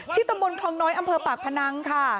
ที่ตะบลครองน้อยอัมเภอปากพนักค่ะ